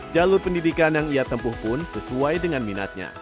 jalur pendidikan yang ia tempuh pun sesuai dengan minatnya